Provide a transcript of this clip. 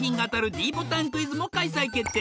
ｄボタンクイズも開催決定